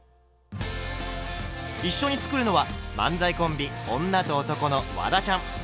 一緒に作るのは漫才コンビ「女と男」のワダちゃん。